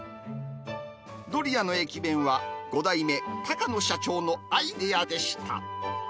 ドリアの駅弁は、５代目、高野社長のアイデアでした。